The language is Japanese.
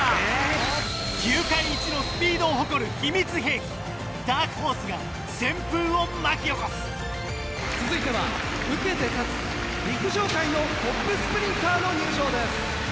球界一のスピードを誇る秘密兵器ダークホースが旋風を巻き起こす続いては受けて立つ陸上界のトップスプリンターの入場です。